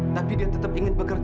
tapi dia tetap ingin bekerja